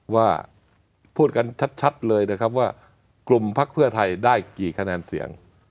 ว่าพูดกันชัดเลยนะครับว่ากลุ่มพักเพื่อไทยได้กี่คะแนนเสียง